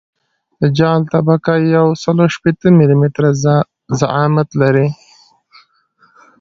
د جغل طبقه یوسل شپیته ملي متره ضخامت لري